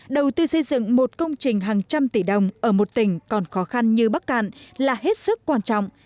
đầu tư xây dựng một công trình hàng trăm tỷ đồng ở một tỉnh còn khó khăn như bắc cạn là hết sức quan trọng